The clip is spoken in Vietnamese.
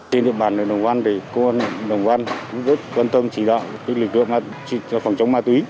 trên địa bàn được đồng bào công an đồng văn rất quan tâm chỉ đạo lịch lượng phòng chống ma túy